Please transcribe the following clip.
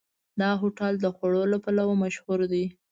دا هوټل د خوړو له پلوه مشهور دی.